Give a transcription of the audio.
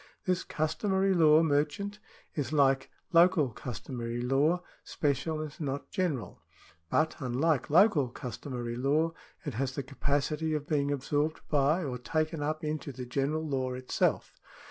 This customary law merchant is, like local customary law, special and not general ; but, unlike local customary law, it has the capacity of being absorbed by, or taken up into the general law itself.